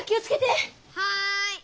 はい。